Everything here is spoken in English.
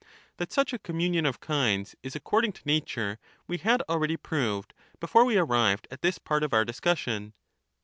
That such a communion of kinds is according to nature, we had already proved' before we arrived at this part of our discussion.